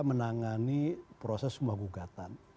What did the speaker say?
menangani proses semua gugatan